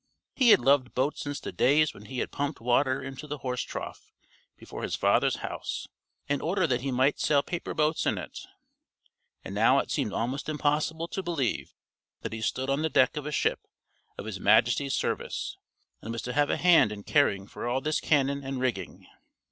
He had loved boats since the days when he had pumped water into the horse trough before his father's house in order that he might sail paper boats in it, and now it seemed almost impossible to believe that he stood on the deck of a ship of his Majesty's service and was to have a hand in caring for all this cannon and rigging.